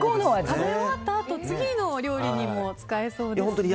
食べ終わったあと次の料理にも使えそうですね。